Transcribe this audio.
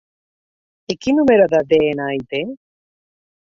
I quin número de de-ena-i té?